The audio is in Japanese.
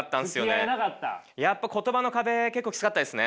やっぱ言葉の壁結構きつかったですね。